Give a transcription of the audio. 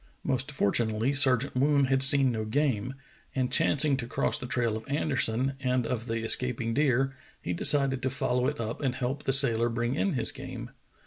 Most fortunately Sergeant Woon had seen no game, and chancing to cross the trail of Anderson and of the escaping deer, he decided to follow it up and help the sailor bring in his game.